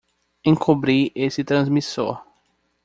Encobrir esse transmissor!